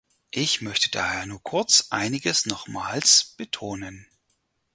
Ich möchte daher nur kurz einiges nochmals betonen.